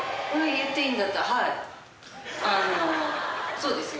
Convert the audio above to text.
そうですよ。